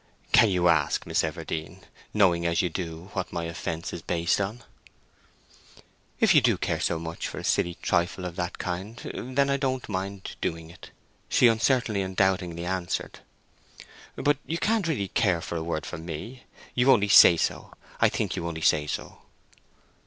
"Can you ask Miss Everdene—knowing as you do—what my offence is based on?" "If you do care so much for a silly trifle of that kind, then, I don't mind doing it," she uncertainly and doubtingly answered. "But you can't really care for a word from me? you only say so—I think you only say so."